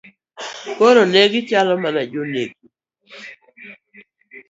Koro negi chalo mana jonekni.